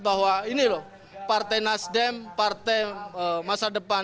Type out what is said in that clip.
bahwa ini loh partai nasdem partai masa depan